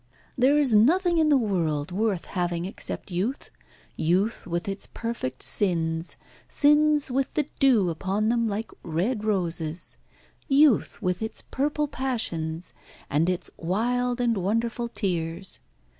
"There is nothing in the world worth having except youth, youth with its perfect sins, sins with the dew upon them like red roses youth with its purple passions and its wild and wonderful tears.